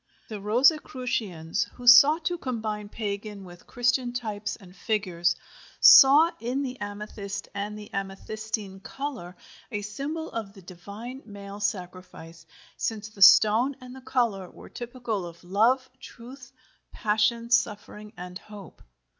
The Rosicrucians, who sought to combine pagan with Christian types and figures, saw in the amethyst and the amethystine color a symbol of the divine male sacrifice, since the stone and the color were typical of love, truth, passion, suffering, and hope.